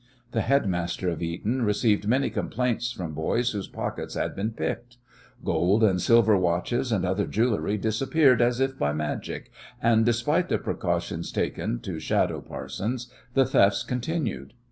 The head master of Eton received many complaints from boys whose pockets had been picked. Gold and silver watches and other jewellery disappeared as if by magic, and despite the precautions taken to shadow Parsons the thefts continued.